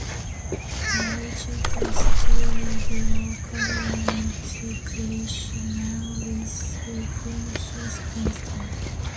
He reached the city of Dwarka and meets Krishna with whom he spends time.